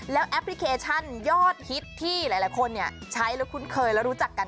แล้วแอปพลิเคชันยอดฮิตที่หลายคนใช้แล้วคุ้นเคยและรู้จักกัน